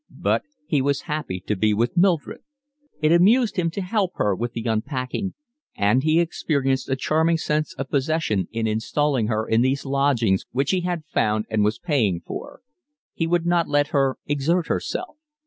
But he was happy to be with Mildred. It amused him to help her with the unpacking; and he experienced a charming sense of possession in installing her in these lodgings which he had found and was paying for. He would not let her exert herself.